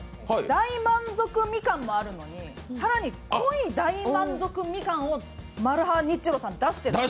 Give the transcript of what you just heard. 大満足みかんもあるのに、更に濃い大満足みかんをマルハニチロさん出してる。